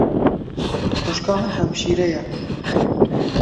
Xwîşka min hemşîre ye.